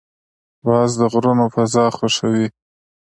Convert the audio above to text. باز د غرونو فضا خوښوي